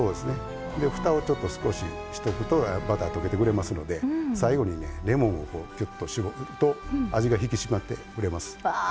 ふたを少ししておくとバター溶けてくれますので最後に、レモンを搾ると味が引き締まってくれます。